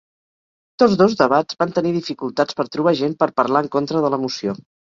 Tots dos debats van tenir dificultats per trobar gent per parlar en contra de la moció.